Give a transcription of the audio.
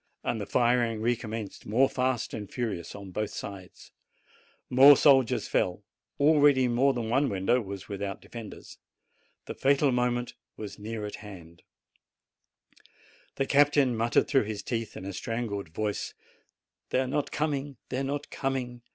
And the firing recommenced more fast and furious on both sides. More soldiers fell. Already more than one window was without defenders. The fatal moment was near at hand. The captain muttered through his teeth, in a strangled voice, "They are not coming! they are not coming!"